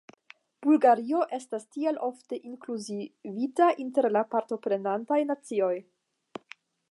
Bulgario estas tiel ofte inkluzivita inter la partoprenantaj nacioj.